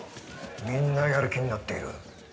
「みんなやる気になっている。